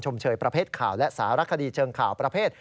เชยประเภทข่าวและสารคดีเชิงข่าวประเภท